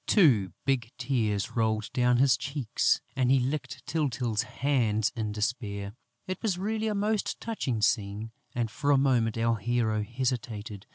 Two big tears rolled down his cheeks; and he licked Tyltyl's hands in despair. It was really a most touching scene; and for a moment, our hero hesitated.